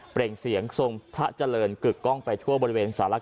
เปล่งเสียงทรงทะเจลินกึกก้องไปทั่วบริเวณสหรัฐกลาง